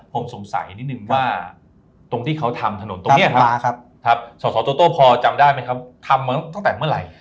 ผมสงสัยนิดนึงว่าตรงที่เขาทำถนนตรงนี้ครับสสโตโต้พอจำได้ไหมครับทำมาตั้งแต่เมื่อไหร่